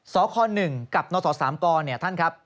สค๑กับนสสกท่านครับ